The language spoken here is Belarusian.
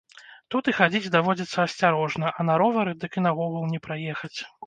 Тут і хадзіць даводзіцца асцярожна, а на ровары, дык і наогул не праехаць.